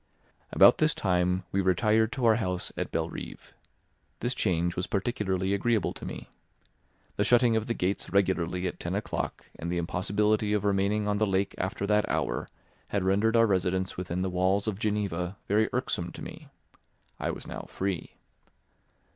About this time we retired to our house at Belrive. This change was particularly agreeable to me. The shutting of the gates regularly at ten o'clock and the impossibility of remaining on the lake after that hour had rendered our residence within the walls of Geneva very irksome to me. I was now free.